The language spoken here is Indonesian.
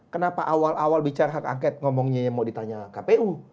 kenapa awal awal bicara hak angket ngomongnya yang mau ditanya kpu